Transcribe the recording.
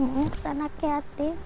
mau kesana kreatif